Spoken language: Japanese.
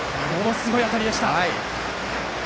ものすごい当たりでした。